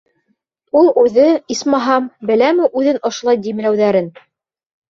Ул үҙе, исмаһам, беләме үҙен ошолай димләүҙәрен?